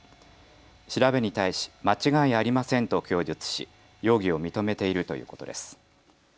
調べに対し間違いありませんと供述し容疑を認めているということです。